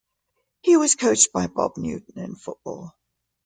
He was coached by Bob Newton in football.